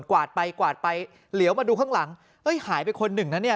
วาดไปกวาดไปเหลียวมาดูข้างหลังเอ้ยหายไปคนหนึ่งนะเนี่ย